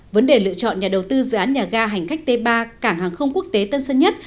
vấn đề lựa chọn nhà đầu tư dự án nhà ga hành khách t ba cảng hàng không quốc tế tân sơn nhất